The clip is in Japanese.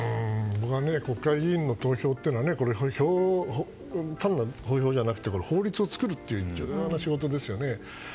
僕は、国会議員の投票はただの投票じゃなくて法律を作るという重要な仕事ですよね。